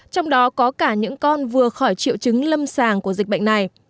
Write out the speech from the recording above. trong đó có cả những con vừa khỏi triệu chứng lâm sàng của dịch bệnh này